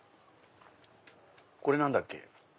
これ何だっけ？